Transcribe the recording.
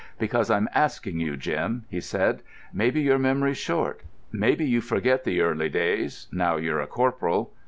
"Because I'm asking you, Jim," he said. "Maybe your memory's short; maybe you forget the early days now you're a corporal.